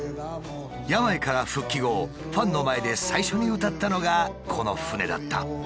病から復帰後ファンの前で最初に歌ったのがこの船だった。